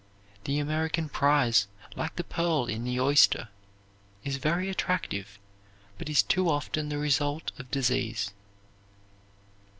The American prize, like the pearl in the oyster, is very attractive, but is too often the result of disease.